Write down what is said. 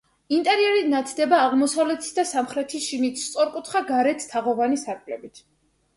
ინტერიერი ნათდება აღმოსავლეთის და სამხრეთის, შიგნით სწორკუთხა გარეთ თაღოვანი სარკმლებით.